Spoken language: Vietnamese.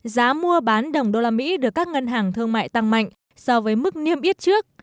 giá mua bán đồng đô la mỹ được các ngân hàng thương mại tăng mạnh so với mức niêm yết trước